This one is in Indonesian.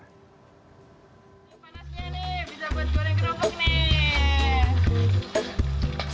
ini panasnya nih bisa buat goreng kerokok nih